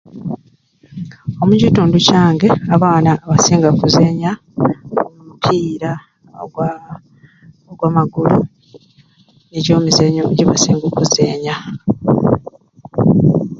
Omukitundu kyange abaana basinga kuzenya mupiira ogwa ogwa magulu nijjo mizenyo gye basinga okuzenya